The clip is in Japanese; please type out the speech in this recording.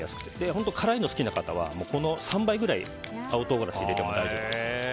本当に辛いの好きな方はこの３倍くらい青唐辛子入れても大丈夫です。